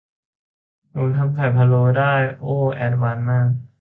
หนูทำไข่พะโล้ได้ โอ้ แอดวานซ์มาก